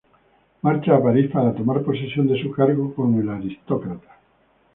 Marcha a París para tomar posesión de su cargo con el aristócrata.